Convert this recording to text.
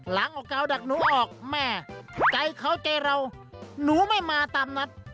ออกกาวดักหนูออกแม่ใจเขาใจเราหนูไม่มาตามนัด